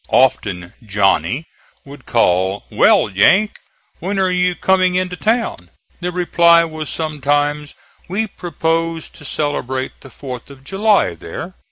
Often "Johnny" would call: "Well, Yank, when are you coming into town?" The reply was sometimes: "We propose to celebrate the 4th of July there."